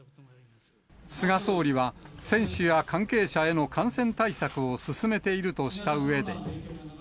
菅総理は、選手や関係者への感染対策を進めているとしたうえで。